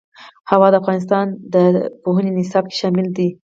هوا د افغانستان د پوهنې نصاب کې شامل دي.